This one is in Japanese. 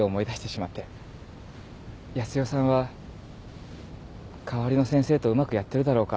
康代さんは代わりの先生とうまくやってるだろうか。